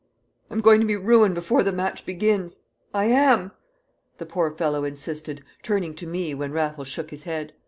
"I'm going to be ruined before the match begins. I am!" the poor fellow insisted, turning to me when Raffles shook his head.